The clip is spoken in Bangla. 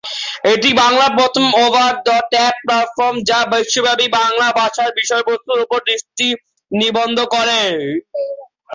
এটি বাংলার প্রথম ওভার দ্য টপ প্ল্যাটফর্ম যা বিশ্বব্যাপী বাংলা ভাষার বিষয়বস্তুর উপর দৃষ্টি নিবদ্ধ করে।